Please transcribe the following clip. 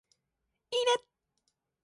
いいね